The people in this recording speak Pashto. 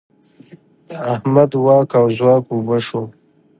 د احمد واک او ځواک اوبه شو.